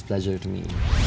selalu sempat bertemu